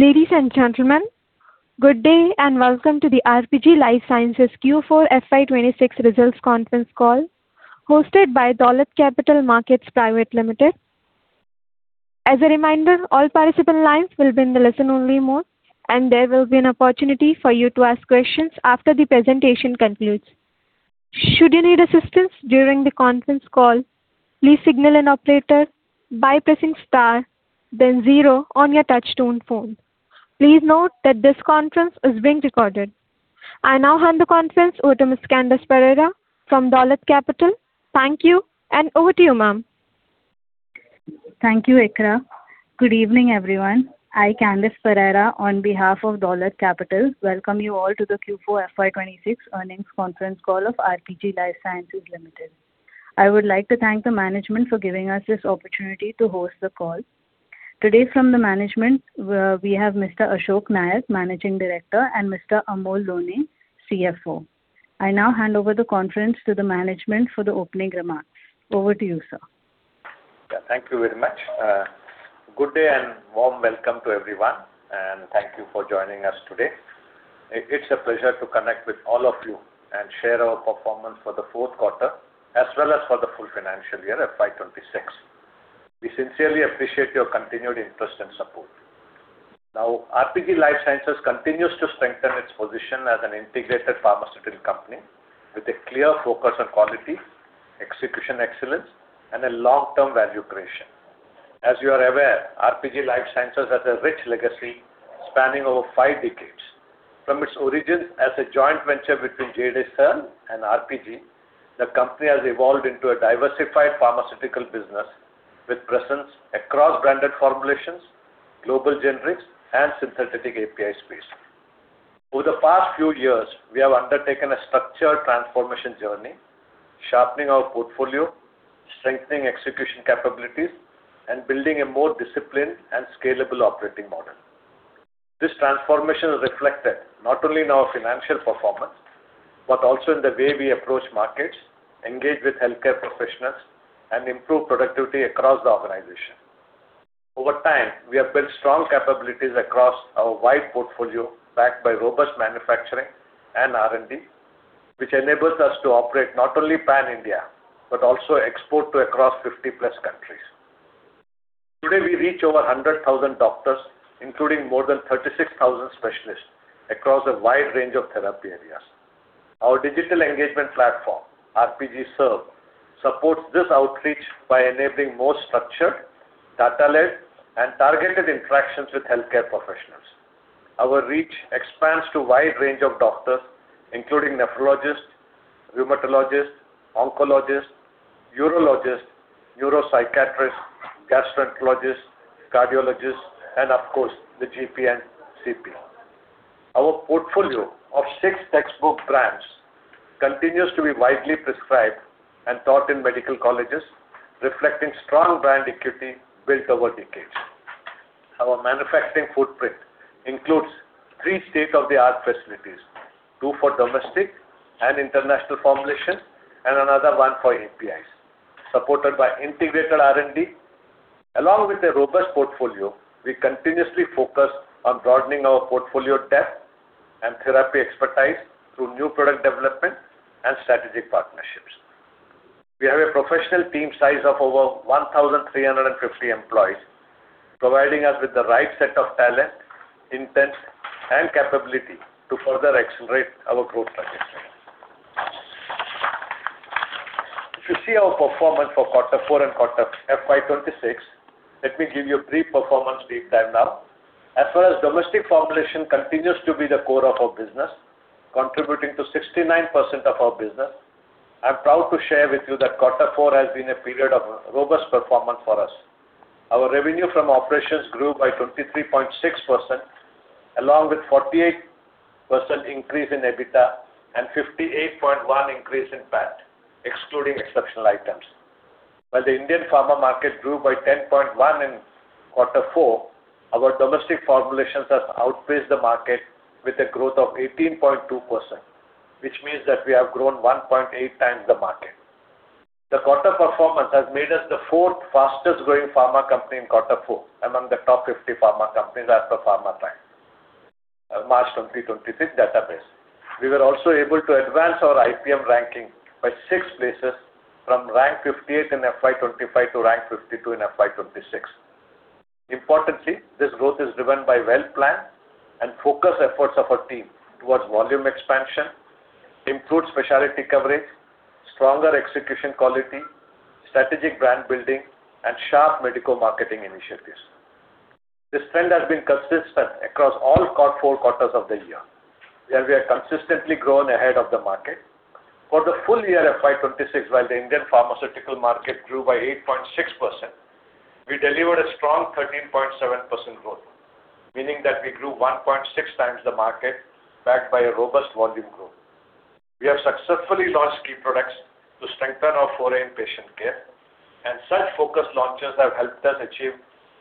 Ladies and gentlemen, good day and welcome to the RPG Life Sciences Q4 FY 2026 Results Conference Call hosted by Dolat Capital Market Private Limited. As a reminder, all participant lines will be in the listen only mode, and there will be an opportunity for you to ask questions after the presentation concludes. Should you need assistance during the conference call, please signal an operator by pressing star then zero on your touchtone phone. Please note that this conference is being recorded. I now hand the conference over to Ms. Candice Pereira from Dolat Capital. Thank you and over to you, ma'am. Thank you, Ikra. Good evening, everyone. I, Candice Pereira, on behalf of Dolat Capital, welcome you all to the Q4 FY 2026 Earnings Conference Call of RPG Life Sciences Limited. I would like to thank the management for giving us this opportunity to host the call. Today from the management, we have Mr. Ashok Nair, Managing Director, and Mr. Amol Lone, CFO. I now hand over the conference to the management for the opening remarks. Over to you, sir. Thank you very much. Good day and warm welcome to everyone, and thank you for joining us today. It's a pleasure to connect with all of you and share our performance for the fourth quarter as well as for the full financial year at FY 2026. We sincerely appreciate your continued interest and support. RPG Life Sciences continues to strengthen its position as an integrated pharmaceutical company with a clear focus on quality, execution excellence, and a long-term value creation. As you are aware, RPG Life Sciences has a rich legacy spanning over five decades. From its origins as a joint venture between G.D. Searle & Company and RPG, the company has evolved into a diversified pharmaceutical business with presence across Branded Formulations, global generics, and synthetic API space. Over the past few years, we have undertaken a structured transformation journey, sharpening our portfolio, strengthening execution capabilities, and building a more disciplined and scalable operating model. This transformation is reflected not only in our financial performance, but also in the way we approach markets, engage with healthcare professionals, and improve productivity across the organization. Over time, we have built strong capabilities across our wide portfolio backed by robust manufacturing and R&D, which enables us to operate not only pan-India, but also export to across 50+ countries. Today, we reach over 100,000 doctors, including more than 36,000 specialists across a wide range of therapy areas. Our digital engagement platform, RPGServ, supports this outreach by enabling more structured data-led and targeted interactions with healthcare professionals. Our reach expands to six wide range of doctors, including nephrologists, rheumatologists, oncologists, urologists, neuropsychiatrists, gastroenterologists, cardiologists, and of course, the GP and CP. Our portfolio of six textbook brands continues to be widely prescribed and taught in medical colleges, reflecting strong brand equity built over decades. Our manufacturing footprint includes three state-of-the-art facilities, two for domestic and international formulation and another one for APIs, supported by integrated R&D. Along with a robust portfolio, we continuously focus on broadening our portfolio depth and therapy expertise through new product development and strategic partnerships. We have a professional team size of over 1,350 employees, providing us with the right set of talent, intent, and capability to further accelerate our growth trajectory. If you see our performance for quarter four and quarter FY 2026, let me give you a brief performance read down now. As far as domestic formulation continues to be the core of our business, contributing to 69% of our business, I'm proud to share with you that quarter four has been a period of robust performance for us. Our revenue from operations grew by 23.6% along with 48% increase in EBITDA and 58.1% increase in PAT, excluding exceptional items. While the Indian pharma market grew by 10.1% in quarter four, our Domestic Formulations have outpaced the market with a growth of 18.2%, which means that we have grown 1.8 times the market. The quarter performance has made us the 4th fastest-growing pharma company in quarter four among the top 50 pharma companies as per PharmaTrac, March 2026 database. We were also able to advance our IPM ranking by six places from rank 58 in FY 2025 to rank 52 in FY 2026. Importantly, this growth is driven by well-planned and focused efforts of our team towards volume expansion, improved specialty coverage, stronger execution quality, strategic brand building, and sharp medical marketing initiatives. This trend has been consistent across all 4 quarters of the year, where we have consistently grown ahead of the market. For the full year FY 2026 while the Indian pharmaceutical market grew by 8.6%, we delivered a strong 13.7% growth, meaning that we grew 1.6 times the market backed by a robust volume growth. We have successfully launched key products to strengthen our foray in patient care, and such focused launches have helped us achieve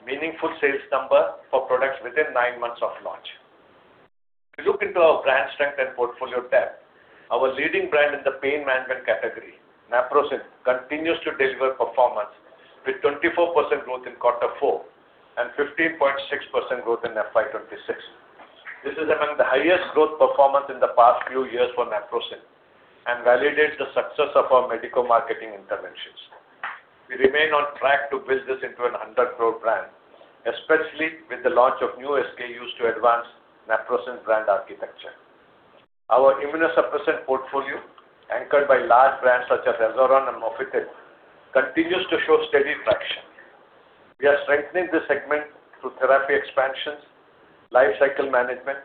meaningful sales number for products within nine months of launch. Into our brand strength and portfolio tab. Our leading brand in the pain management category, Naprosyn, continues to deliver performance with 24% growth in quarter four and 15.6% growth in FY 2026. This is among the highest growth performance in the past few years for Naprosyn and validates the success of our medico marketing interventions. We remain on track to build this into an 100 crore brand, especially with the launch of new SKUs to advance Naprosyn brand architecture. Our immunosuppressant portfolio, anchored by large brands such as Azoran and Mofetyl, continues to show steady traction. We are strengthening this segment through therapy expansions, life cycle management,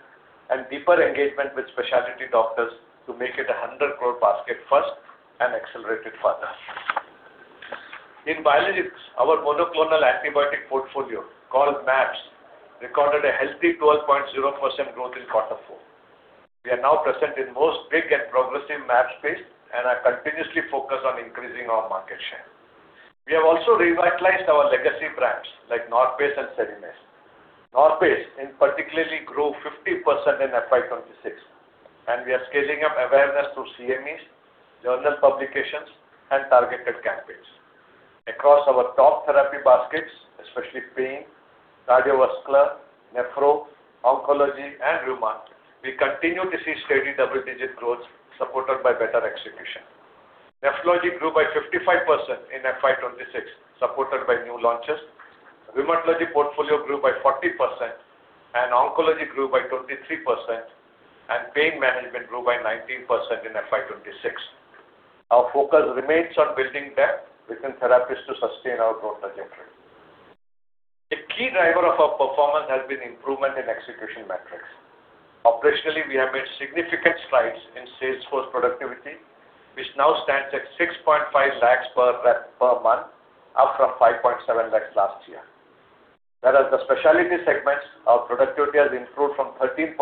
and deeper engagement with specialty doctors to make it an 100 crore basket first and accelerate it further. In biologics, our monoclonal antibody portfolio, called MAbs, recorded a healthy 12.0% growth in quarter four. We are now present in most big and progressive MAbs space and are continuously focused on increasing our market share. We have also revitalized our legacy brands like Norpace and Serenace. Norpace in particularly grew 50% in FY 2026, and we are scaling up awareness through CMEs, journal publications, and targeted campaigns. Across our top therapy baskets, especially pain, cardiovascular, nephro, oncology and rheumatology, we continue to see steady double-digit growth supported by better execution. Nephrology grew by 55% in FY 2026, supported by new launches. Rheumatology portfolio grew by 40% and oncology grew by 23% and pain management grew by 19% in FY 2026. Our focus remains on building depth within therapies to sustain our growth trajectory. A key driver of our performance has been improvement in execution metrics. Operationally, we have made significant strides in sales force productivity, which now stands at 6.5 lakhs per rep per month, up from 5.7 lakhs last year. Whereas the specialty segments, our productivity has improved from 13.2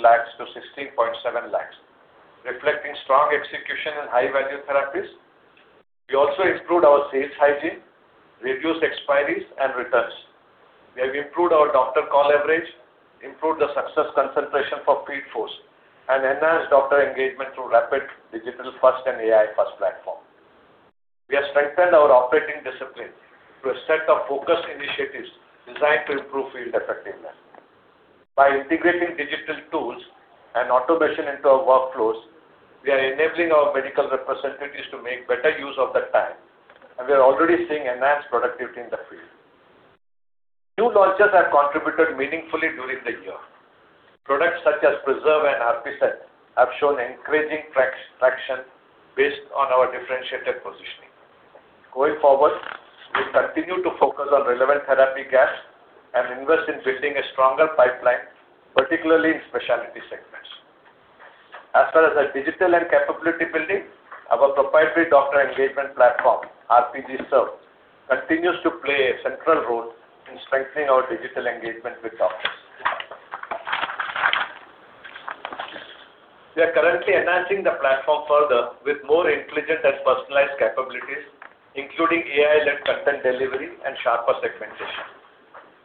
lakhs to 16.7 lakhs, reflecting strong execution in high-value therapies. We also improved our sales hygiene, reduced expiries, and returns. We have improved our doctor call average, improved the success concentration for field force, and enhanced doctor engagement through rapid digital-first and AI-first platform. We have strengthened our operating discipline through a set of focused initiatives designed to improve field effectiveness. By integrating digital tools and automation into our workflows, we are enabling our medical representatives to make better use of their time, and we are already seeing enhanced productivity in the field. New launches have contributed meaningfully during the year. Products such as Preserve and Arpicen have shown increasing traction based on our differentiated positioning. Going forward, we continue to focus on relevant therapy gaps and invest in building a stronger pipeline, particularly in specialty segments. As far as our digital and capability building, our proprietary doctor engagement platform, RPGServ, continues to play a central role in strengthening our digital engagement with doctors. We are currently enhancing the platform further with more intelligent and personalized capabilities, including AI-led content delivery and sharper segmentation.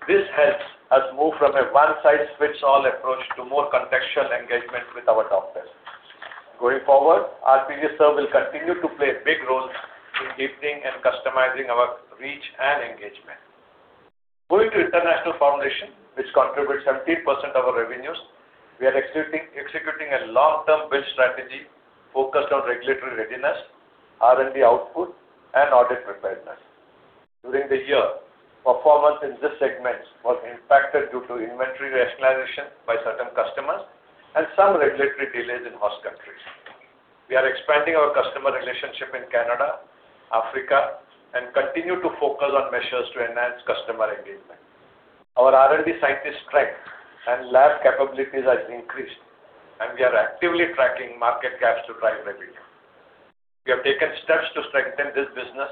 This helps us move from a one-size-fits-all approach to more contextual engagement with our doctors. Going forward, RPGServ will continue to play a big role in deepening and customizing our reach and engagement. Going to international foundation, which contributes 17% of our revenues, we are executing a long-term build strategy focused on regulatory readiness, R&D output, and audit preparedness. During the year, performance in this segment was impacted due to inventory rationalization by certain customers and some regulatory delays in host countries. We are expanding our customer relationship in Canada, Africa, and continue to focus on measures to enhance customer engagement. Our R&D scientist strength and lab capabilities has increased, and we are actively tracking market gaps to drive revenue. We have taken steps to strengthen this business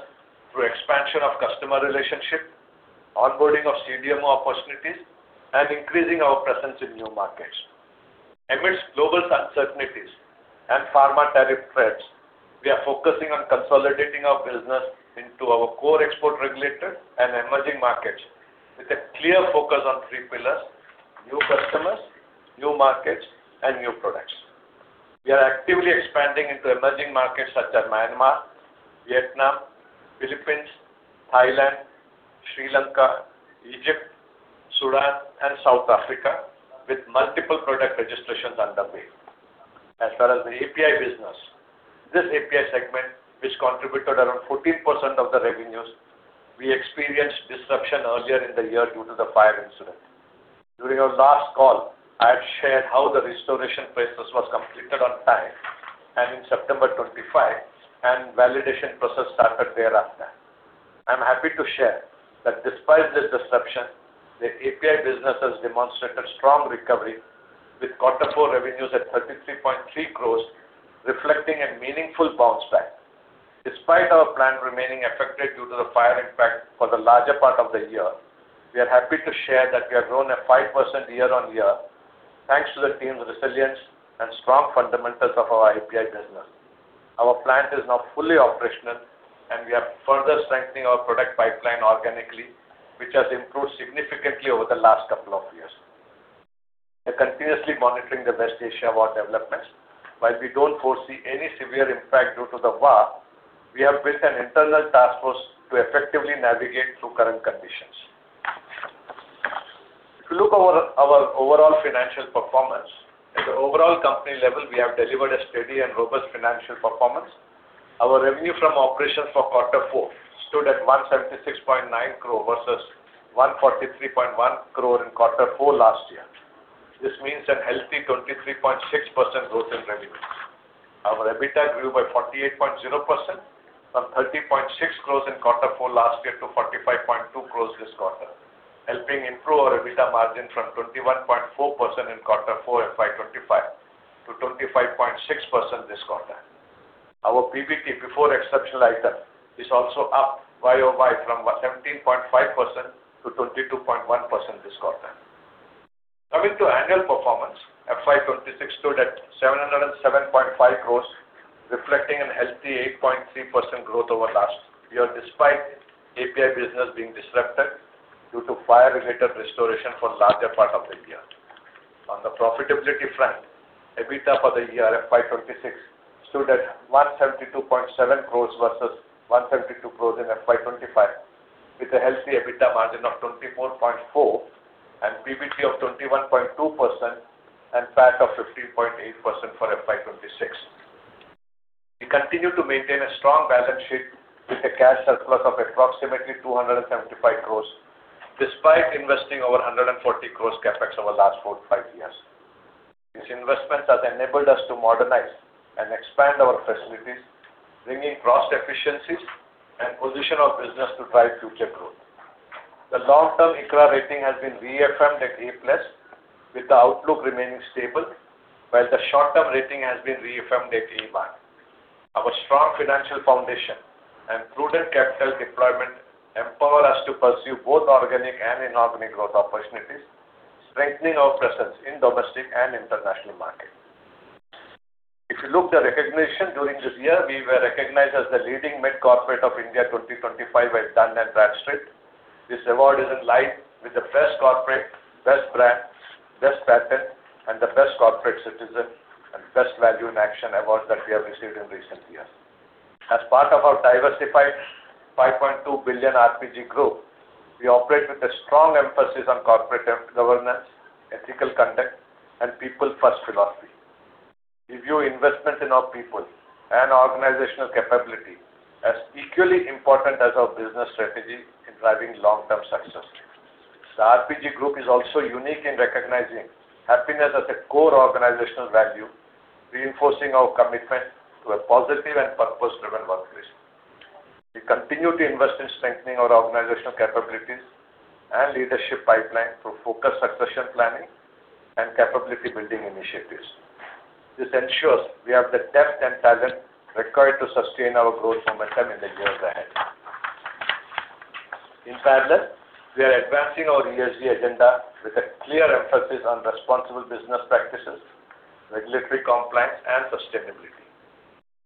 through expansion of customer relationship, onboarding of CDMO opportunities, and increasing our presence in new markets. Amidst global uncertainties and pharma tariff threats, we are focusing on consolidating our business into our core export regulated and emerging markets with a clear focus on three pillars: new customers, new markets, and new products. We are actively expanding into emerging markets such as Myanmar, Vietnam, Philippines, Thailand, Sri Lanka, Egypt, Sudan, and South Africa, with multiple product registrations underway. As far as the API business, this API segment which contributed around 14% of the revenues, we experienced disruption earlier in the year due to the fire incident. During our last call, I had shared how the restoration process was completed on time and in September 25 and validation process started thereafter. I'm happy to share that despite this disruption, the API business has demonstrated strong recovery with Q4 revenues at 33.3 crores, reflecting a meaningful bounce back. Despite our plan remaining affected due to the fire impact for the larger part of the year, we are happy to share that we have grown at 5% year on year, thanks to the team's resilience and strong fundamentals of our API business. Our plant is now fully operational, and we are further strengthening our product pipeline organically, which has improved significantly over the last couple of years. We are continuously monitoring the West Asia war developments. While we don't foresee any severe impact due to the war, we have built an internal task force to effectively navigate through current conditions. If you look over our overall financial performance, at the overall company level, we have delivered a steady and robust financial performance. Our revenue from operations for quarter four stood at 176.9 crore versus 143.1 crore in quarter four last year. This means a healthy 23.6% growth in revenue. Our EBITDA grew by 48.0% from 30.6 crores in quarter four last year to 45.2 crores this quarter, helping improve our EBITDA margin from 21.4% in quarter four FY 2025 to 25.6% this quarter. Our PBT before exceptional item is also up YoY from 17.5% to 22.1% this quarter. Coming to annual performance, FY 2026 stood at 707.5 crores, reflecting a healthy 8.3% growth over last year, despite API business being disrupted due to fire-related restoration for larger part of the year. On the profitability front, EBITDA for the year FY 2026 stood at 172.7 crore versus 172 crore in FY 2025, with a healthy EBITDA margin of 24.4% and PBT of 21.2% and PAT of 15.8% for FY 2026. We continue to maintain a strong balance sheet with a cash surplus of approximately 275 crore, despite investing over 140 crore CapEx over the last four to five years. These investments have enabled us to modernize and expand our facilities, bringing cost efficiencies and position our business to drive future growth. The long-term ICRA rating has been reaffirmed at A+, with the outlook remaining stable, while the short-term rating has been reaffirmed at E1. Our strong financial foundation and prudent capital deployment empower us to pursue both organic and inorganic growth opportunities, strengthening our presence in domestic and international market. If you look the recognition during this year, we were recognized as the Leading Mid-Corporate of India 2025 at Dun & Bradstreet. This award is in line with the best corporate, best brands, best patent, and the best corporate citizen and best value in action awards that we have received in recent years. As part of our diversified 5.2 billion RPG Group, we operate with a strong emphasis on corporate governance, ethical conduct, and people-first philosophy. We view investment in our people and organizational capability as equally important as our business strategy in driving long-term success. The RPG Group is also unique in recognizing happiness as a core organizational value, reinforcing our commitment to a positive and purpose-driven workplace. We continue to invest in strengthening our organizational capabilities and leadership pipeline through focused succession planning and capability building initiatives. This ensures we have the depth and talent required to sustain our growth momentum in the years ahead. In parallel, we are advancing our ESG agenda with a clear emphasis on responsible business practices, regulatory compliance, and sustainability.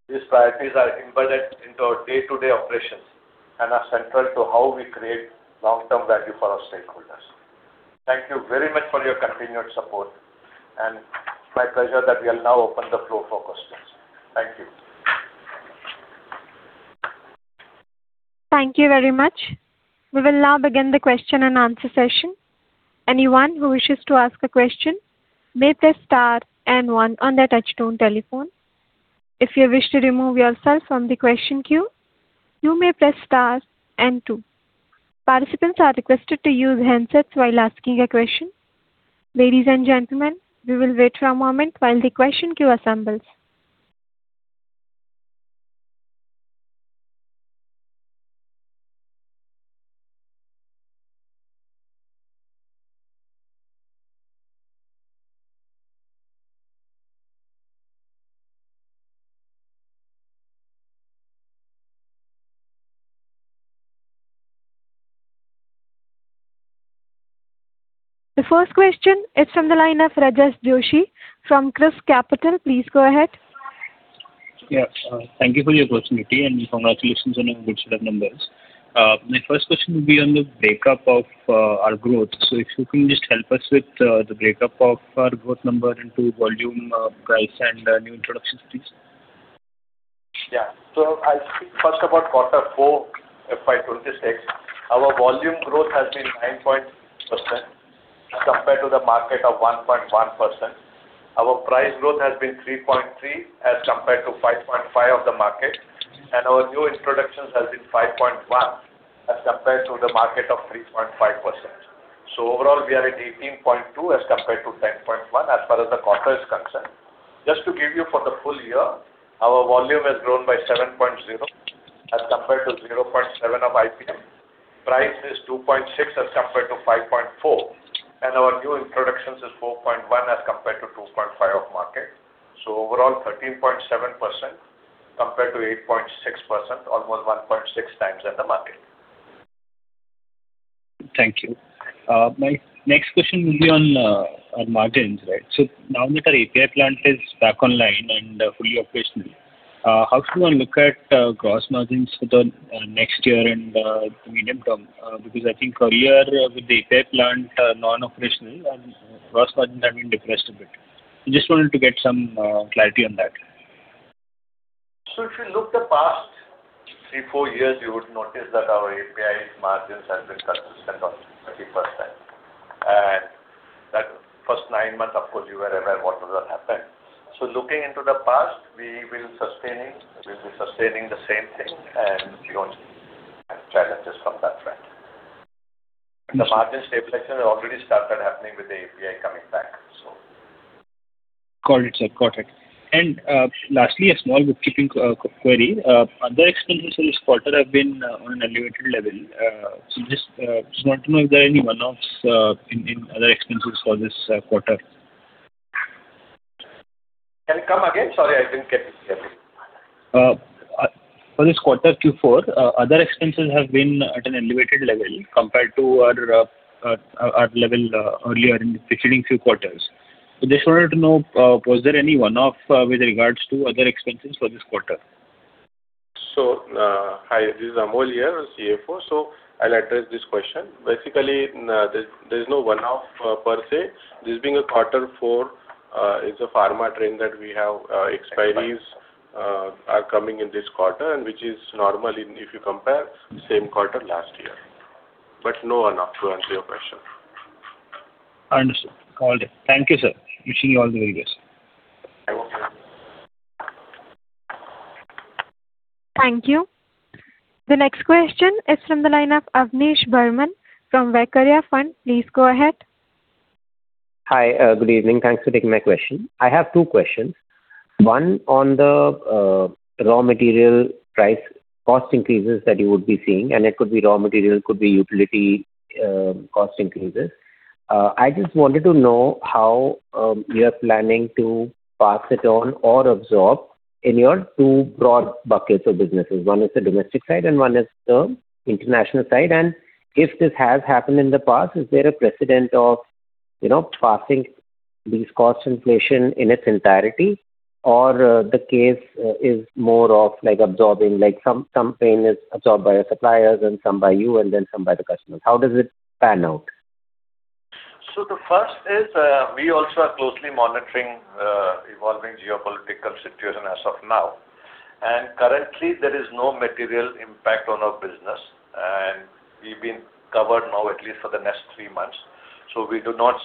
These priorities are embedded into our day-to-day operations and are central to how we create long-term value for our stakeholders. Thank you very much for your continued support, and it's my pleasure that we'll now open the floor for questions. Thank you. Thank you very much. We will now begin the question-and-answer session. Anyone who wishes to ask a question may press star and one on their touchtone telephone. If you wish to remove yourself from the question queue, you may press star and two. Participants are requested to use handsets while asking a question. Ladies and gentlemen, we will wait for a moment while the question queue assembles. The first question is from the line of Rajas Joshi from ChrysCapital. Please go ahead. Yeah. Thank you for your opportunity, and congratulations on your good set of numbers. My first question would be on the breakup of our growth. If you can just help us with the breakup of our growth number into volume, price and new introductions, please. Yeah. I'll speak first about quarter four FY 2026. Our volume growth has been 9.0% as compared to the market of 1.1%. Our price growth has been 3.3% as compared to 5.5% of the market. Our new introductions has been 5.1% as compared to the market of 3.5%. Overall, we are at 18.2% as compared to 10.1% as far as the quarter is concerned. Just to give you for the full year, our volume has grown by 7.0% as compared to 0.7% of IPM. Price is 2.6% as compared to 5.4%. Our new introductions is 4.1% as compared to 2.5% of market. Overall, 13.7% compared to 8.6%, almost 1.6 times than the market. Thank you. My next question will be on our margins, right? Now that our API plant is back online and fully operational, how should one look at gross margins for the next year and the medium term? Because I think earlier with the API plant non-operational and gross margins have been depressed a bit. Just wanted to get some clarity on that. If you look the past three, four years, you would notice that our API margins have been consistent of 30%. That first nine months, of course, you were aware what would have happened. Looking into the past, we will sustaining, we'll be sustaining the same thing, and we won't have challenges from that front. Understood. The margin stabilization already started happening with the API coming back. Got it, sir. Got it. Lastly, a small bookkeeping query. Other expenses this quarter have been on an elevated level. Just want to know if there are any one-offs in other expenses for this quarter. Can you come again? Sorry, I didn't get it. For this quarter, Q4, other expenses have been at an elevated level compared to our level earlier in the preceding few quarters. Just wanted to know, was there any one-off with regards to other expenses for this quarter? Hi, this is Amol here, CFO. I'll address this question. There's no one-off per se. This being a quarter four, it's a pharma trend that we have expiries are coming in this quarter, and which is normal in if you compare same quarter last year. No one-off, to answer your question. Understood. Got it. Thank you, sir. Wishing you all the very best. Welcome. Thank you. The next question is from the line of Avnish Burman from Vaikarya Fund. Please go ahead. Hi. Good evening. Thanks for taking my question. I have two questions. One on the raw material price cost increases that you would be seeing, and it could be raw material, could be utility, cost increases. I just wanted to know how you're planning to pass it on or absorb in your two broad buckets of businesses. One is the domestic side and one is the international side. If this has happened in the past, is there a precedent of, you know, passing these cost inflation in its entirety? The case is more of like absorbing, like some pain is absorbed by your suppliers and some by you and then some by the customers. How does it pan out? The first is, we also are closely monitoring evolving geopolitical situation as of now. Currently there is no material impact on our business, and we've been covered now at least for the next three months. We do not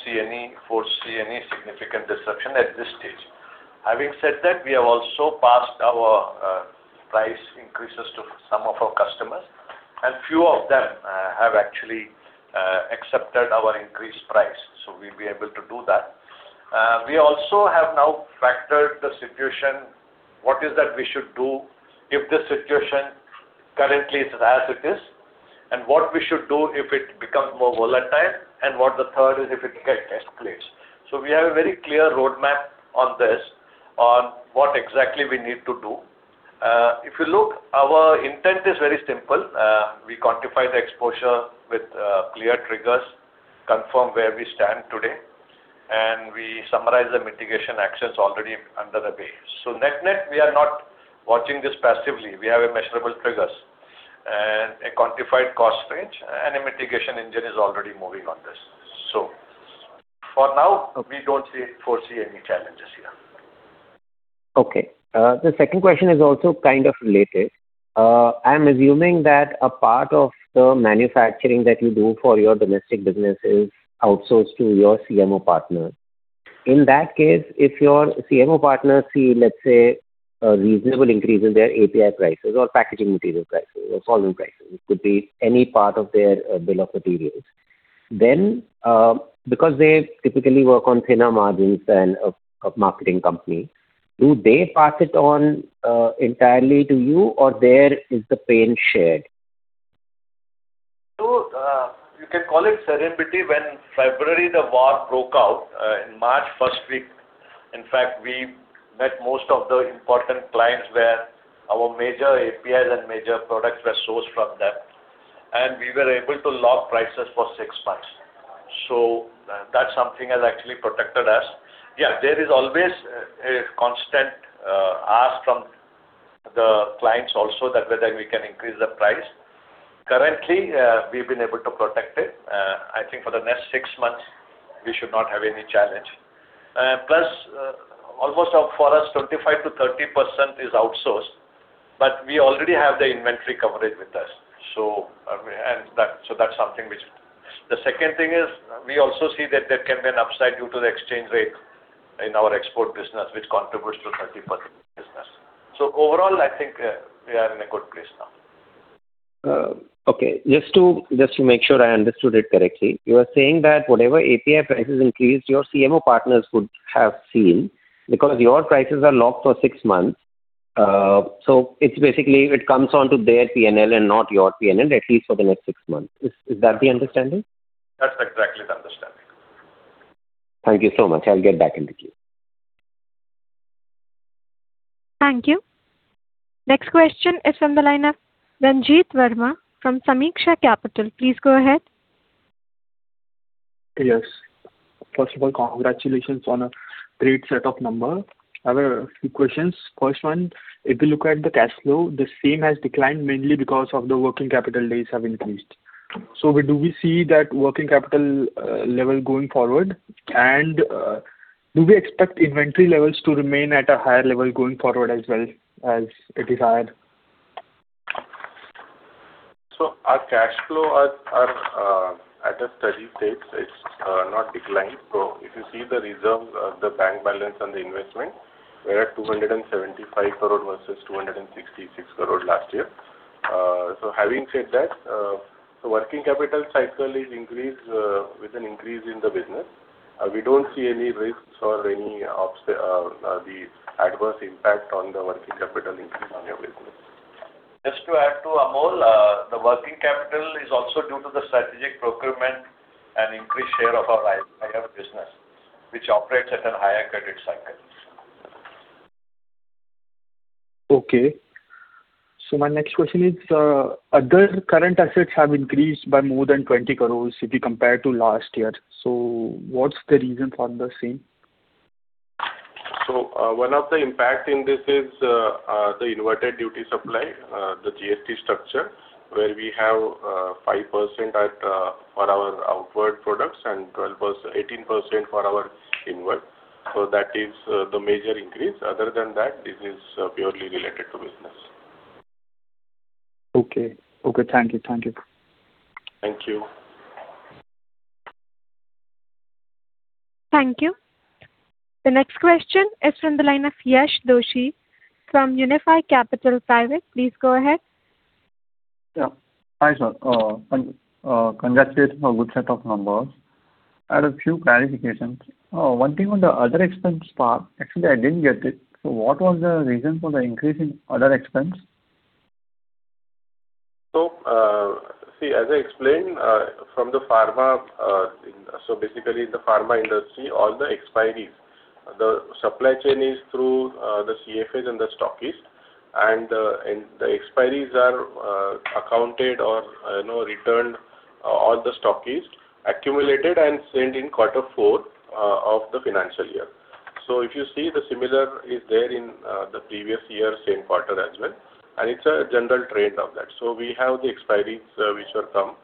foresee any significant disruption at this stage. Having said that, we have also passed our price increases to some of our customers, and few of them have actually accepted our increased price. We'll be able to do that. We also have now factored the situation, what is that we should do if the situation currently is as it is, and what we should do if it becomes more volatile, and what the third is if it escalates. We have a very clear roadmap on this, on what exactly we need to do. If you look, our intent is very simple. We quantify the exposure with clear triggers, confirm where we stand today, and we summarize the mitigation actions already under the way. Net-net, we are not watching this passively. We have a measurable triggers and a quantified cost range, and a mitigation engine is already moving on this. For now, we don't see, foresee any challenges here. Okay. The second question is also kind of related. I'm assuming that a part of the manufacturing that you do for your domestic business is outsourced to your CMO partners. In that case, if your CMO partners see, let's say, a reasonable increase in their API prices or packaging material prices or solvent prices, it could be any part of their bill of materials, then, because they typically work on thinner margins than a marketing company, do they pass it on entirely to you or there is the pain shared? You can call it serendipity when February the war broke out, in March 1st week, in fact, we met most of the important clients where our major APIs and major products were sourced from them, and we were able to lock prices for six months. That's something has actually protected us. Yeah, there is always a constant ask from the clients also that whether we can increase the price. Currently, we've been able to protect it. I think for the next six months we should not have any challenge. Plus, almost of, for us, 25%-30% is outsourced, but we already have the inventory coverage with us. That's something which. The second thing is we also see that there can be an upside due to the exchange rate in our export business, which contributes to 30% business. Overall, I think, we are in a good place now. Okay. Just to make sure I understood it correctly, you are saying that whatever API prices increased, your CMO partners would have seen because your prices are locked for six months. It's basically it comes on to their P&L and not your P&L, at least for the next six months. Is that the understanding? That's exactly the understanding. Thank you so much. I'll get back in the queue. Thank you. Next question is from the line of Ranjeet Verma from Sameeksha Capital. Please go ahead. Yes. First of all, congratulations on a great set of numbers. I have a few questions. First one, if you look at the cash flow, the same has declined mainly because of the working capital days have increased. Do we see that working capital level going forward? Do we expect inventory levels to remain at a higher level going forward as well as it is higher? Our cash flow are at a steady state. It's not declined. If you see the reserve, the bank balance and the investment, we're at 275 crore versus 266 crore last year. Having said that, working capital cycle is increased, with an increase in the business. We don't see any risks or any adverse impact on the working capital increase on your business. Just to add to Amol, the working capital is also due to the strategic procurement and increased share of our IF business, which operates at a higher credit cycle. Okay. My next question is, other current assets have increased by more than 20 crores if you compare to last year. What's the reason for the same? One of the impacts in this is the inverted duty structure, the GST structure, where we have 5% for our outward products and 12% to 18% for our inward. That is the major increase. Other than that, this is purely related to business. Okay. Okay, thank you. Thank you. Thank you. Thank you. The next question is from the line of Yash Doshi from Unifi Capital Private. Please go ahead. Yeah. Hi, sir. Congratulations on good set of numbers. I had a few clarifications. One thing on the other expense part, actually, I didn't get it. What was the reason for the increase in other expense? See, as I explained, from the pharma, the pharma industry, all the expiries, the supply chain is through the CFAs and the stockists. The expiries are accounted or, you know, returned on the stockist, accumulated and sent in quarter four of the financial year. If you see the similar is there in the previous year, same quarter as well, and it's a general trend of that. We have the expiries which will come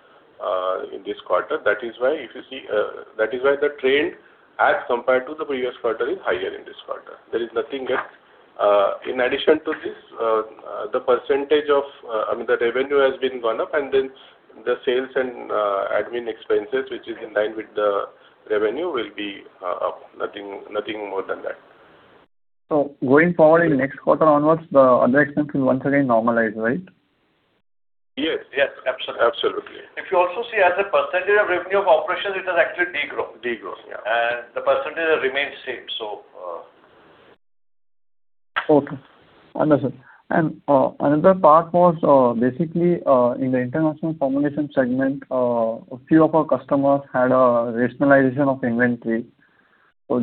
in this quarter. That is why if you see, that is why the trend as compared to the previous quarter is higher in this quarter. There is nothing else. In addition to this, I mean, the percentage of the revenue has been gone up, and then the sales and admin expenses, which is in line with the revenue, will be up. Nothing more than that. Going forward in next quarter onwards, the other expense will once again normalize, right? Yes. Yes, absolutely. Absolutely. If you also see as a percentage of revenue compression, it has actually de-grown. De-grown, yeah. The percentage remains same. Okay. Understood. Another part was, basically, in the international formulation segment, a few of our customers had a rationalization of inventory.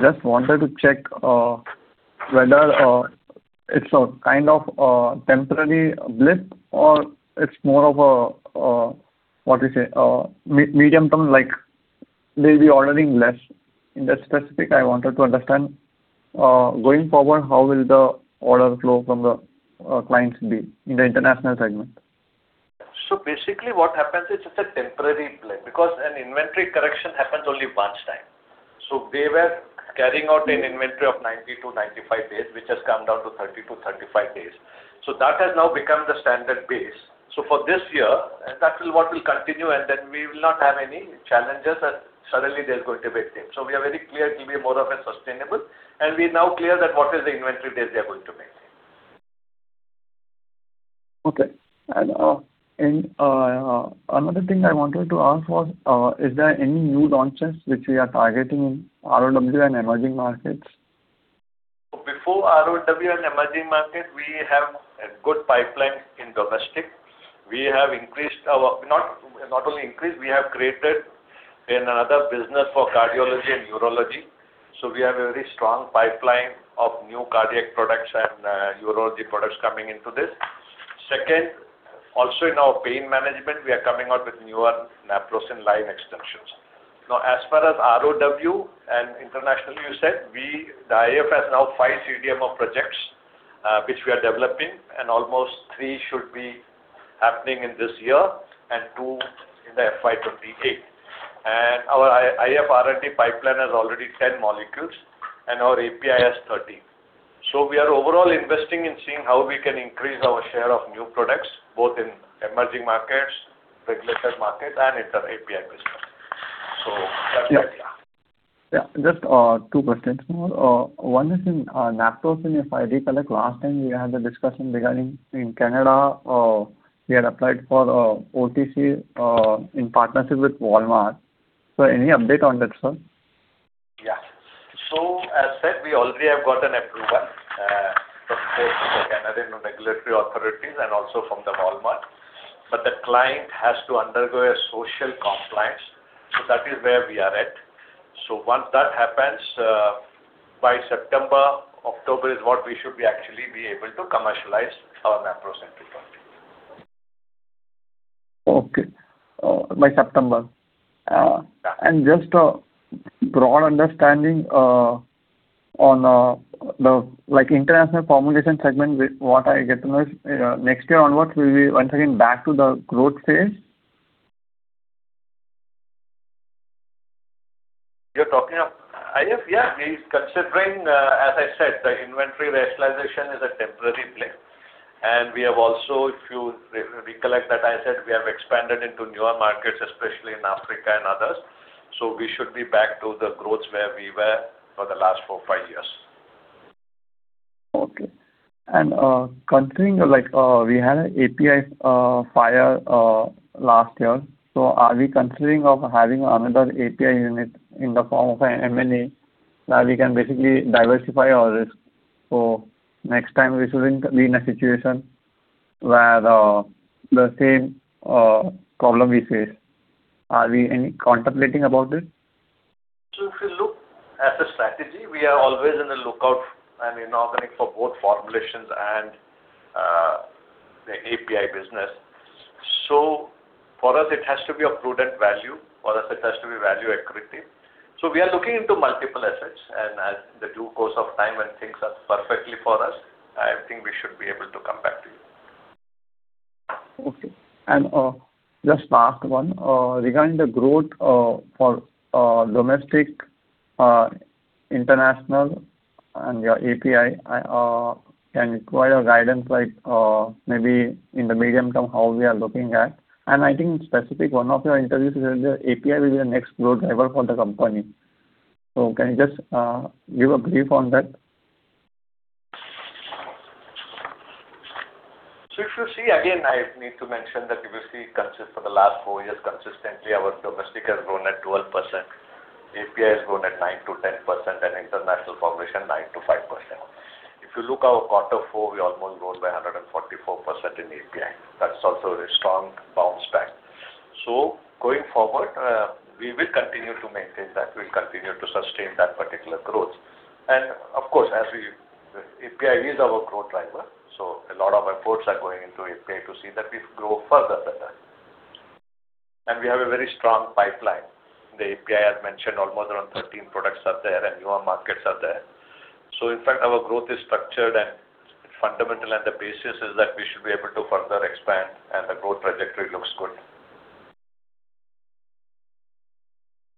Just wanted to check whether it's a kind of temporary blip or it's more of a, what do you say, a medium-term, like they'll be ordering less. In that specific, I wanted to understand, going forward, how will the order flow from the clients be in the international segment? Basically what happens is it's a temporary blip because an inventory correction happens only once time. They were carrying out an inventory of 90 to 95 days, which has come down to 30 to 35 days. That has now become the standard base. For this year, and that will what will continue, and then we will not have any challenges and suddenly there's going to be a dip. We are very clear it will be more of a sustainable, and we're now clear that what is the inventory days they are going to maintain. Okay. Another thing I wanted to ask was, is there any new launches which we are targeting in ROW and emerging markets? Before ROW and emerging market, we have a good pipeline in domestic. We have not only increased, we have created another business for cardiology and urology. We have a very strong pipeline of new cardiac products and urology products coming into this. Second, also in our pain management, we are coming out with newer naproxen line extensions. As far as ROW and international, you said, we, the IF has now five CDMO projects, which we are developing, and almost three should be happening in this year and two in the FY 2028. Our IF R&D pipeline has already 10 molecules and our API has 13. We are overall investing in seeing how we can increase our share of new products, both in emerging markets, regulated markets and inter API business. That's the idea. Yeah. Yeah, just two questions more. One is in naproxen, if I recollect last time we had a discussion regarding in Canada, we had applied for OTC in partnership with Walmart. Any update on that, sir? Yeah. As said, we already have got an approval from the Canadian regulatory authorities and also from Walmart. The client has to undergo a social compliance. That is where we are at. Once that happens, by September, October is what we should be actually be able to commercialize our Naprosyn importantly. Okay. By September. Just a broad understanding on the like international formulation segment, what I get to know is next year onwards we'll be once again back to the growth phase. You're talking of- I guess, yeah. We're considering, as I said, the inventory rationalization is a temporary play. We have also, if you recollect that I said we have expanded into newer markets, especially in Africa and others. We should be back to the growth where we were for the last four, five years. Okay. Considering like we had an API fire last year. Are we considering of having another API unit in the form of a M&A that we can basically diversify our risk? Next time we shouldn't be in a situation where the same problem we face. Are we any contemplating about this? If you look at the strategy, we are always in the lookout and inorganic for both formulations and the API business. For us it has to be a prudent value. For us it has to be value accretive. We are looking into multiple assets and as the due course of time and things are perfectly for us, I think we should be able to come back to you. Okay. Just last one. Regarding the growth for domestic, international and your API, can you provide a guidance like maybe in the medium term, how we are looking at? I think specific one of your interviews is that the API will be the next growth driver for the company. Can you just give a brief on that? If you see again, I need to mention that if you see for the last four years consistently our domestic has grown at 12%, API has grown at 9% to 10% and international formulation 9% to 5%. If you look our Q4, we almost grown by 144% in API. That's also a strong bounce back. Going forward, we will continue to maintain that. We'll continue to sustain that particular growth. As we API is our growth driver, so a lot of efforts are going into API to see that we grow further better. We have a very strong pipeline. The API, as mentioned, almost around 13 products are there and newer markets are there. In fact, our growth is structured and fundamental, and the basis is that we should be able to further expand and the growth trajectory looks good.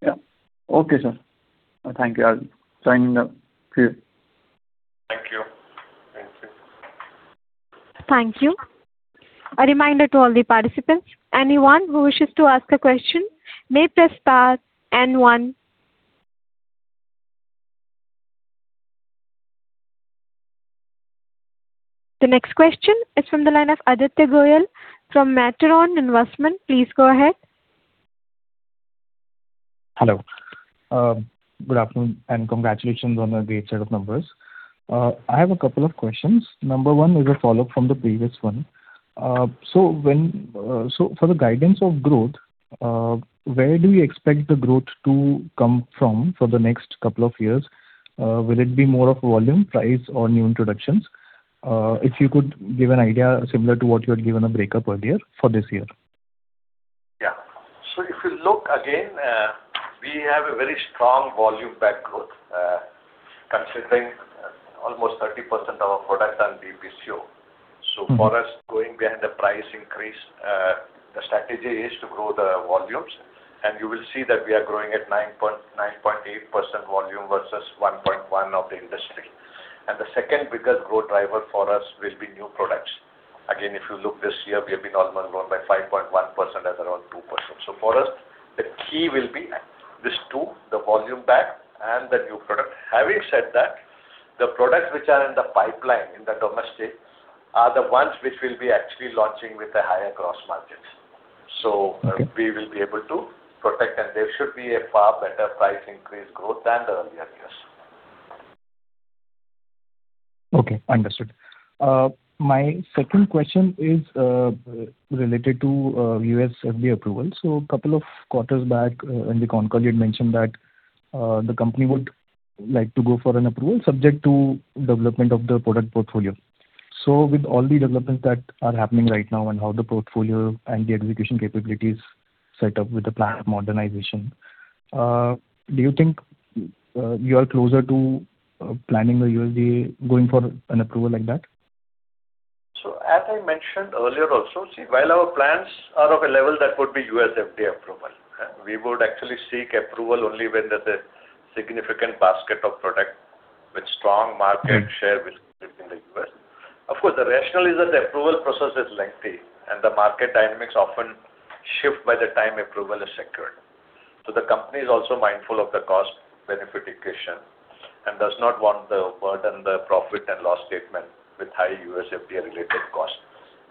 Yeah. Okay, sir. Thank you. I will sign off here. Thank you. Thank you. A reminder to all the participants anyone who wishes to ask a question may press star and one. The next question is from the line of Aditya Goyal from Matterhorn Investment. Please go ahead. Hello. Good afternoon and congratulations on the great set of numbers. I have a couple of questions. Number one is a follow-up from the previous one. When, for the guidance of growth, where do you expect the growth to come from for the next couple of years? Will it be more of volume, price or new introductions? If you could give an idea similar to what you had given a breakup earlier for this year. Yeah. If you look again, we have a very strong volume backed growth, considering almost 30% of our products are DPCO. Mm-hmm. For us, going behind the price increase, the strategy is to grow the volumes, and you will see that we are growing at 9.8% volume versus 1.1 of the industry. The second biggest growth driver for us will be new products. Again, if you look this year, we have been almost grown by 5.1% and around 2%. For us, the key will be these two, the volume back and the new product. Having said that, the products which are in the pipeline in the domestic are the ones which we'll be actually launching with the higher gross margins. Okay. We will be able to protect, there should be a far better price increase growth than the earlier years. Okay, understood. My second question is related to U.S. FDA approval. Two quarters back, in the concall you had mentioned that the company would like to go for an approval subject to development of the product portfolio. With all the developments that are happening right now and how the portfolio and the execution capabilities set up with the plant modernization, do you think you are closer to planning a going for an approval like that? As I mentioned earlier also, see, while our plants are of a level that would be U.S. FDA approval, we would actually seek approval only when there's a significant basket of product with strong market share- Mm-hmm. -within the U.S. Of course, the rationale is that the approval process is lengthy and the market dynamics often shift by the time approval is secured. The company is also mindful of the cost benefit equation and does not want to burden the profit and loss statement with high U.S. FDA related costs.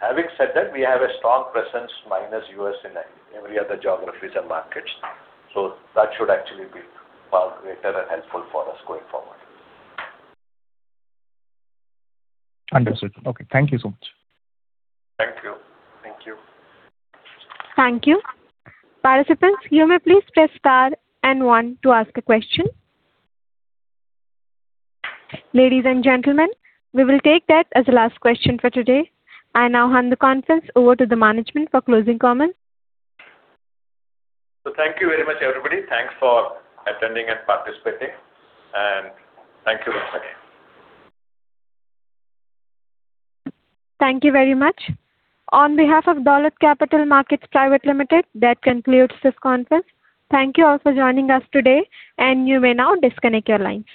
Having said that, we have a strong presence minus U.S. in every other geographies and markets. That should actually be far greater and helpful for us going forward. Understood. Okay, thank you so much. Thank you. Thank you. Thank you. Ladies and gentlemen, we will take that as the last question for today. I now hand the conference over to the management for closing comments. Thank you very much, everybody. Thanks for attending and participating, thank you once again. Thank you very much. On behalf of Dolat Capital Market Private Limited, that concludes this conference. Thank you all for joining us today. You may now disconnect your lines.